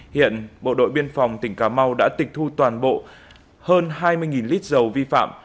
hiện bộ đội biên phòng tỉnh cà mau đã tịch thu toàn bộ hơn hai mươi lít dầu vi phạm